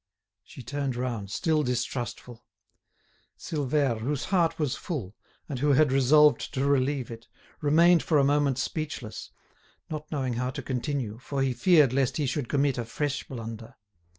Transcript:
She turned round, still distrustful. Silvère, whose heart was full, and who had resolved to relieve it, remained for a moment speechless, not knowing how to continue, for he feared lest he should commit a fresh blunder.